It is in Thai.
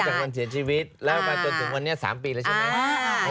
นับจากวันเสียชีวิตแล้วก็จนถึงวันนี้๓ปีล่ะใช่ไหม